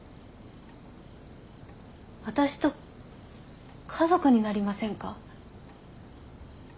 私と家族になりませんか？